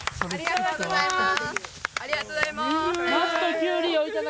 ありがとうございます。